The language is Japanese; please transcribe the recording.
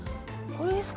これです